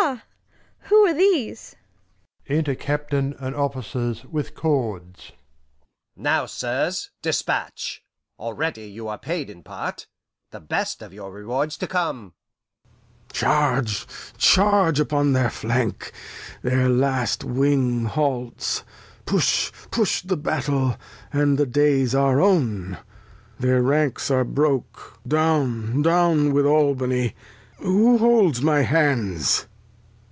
— Ha ! Who are these ? Enter Captain and Officers with Cords. Capt. Now, Sirs, dispatch, already you are paid In Part, the Best of your Reward's to come. Lear. Charge, charge upon their Flank, their last Wing haults. Push, push the Battel, and the Day's our own. Their Ranks are broke, down with Albany. Who holds my Hands